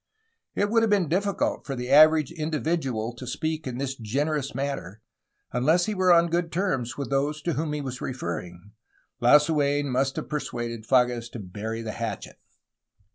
It would have been difficult for the average individual to speak in this generous manner, unless he were on good terms with those to whom he was referring. Lasuen must have persuaded Fages to bury the hatchet.